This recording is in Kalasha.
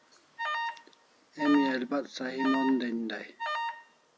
Emi albat sahi mon den dai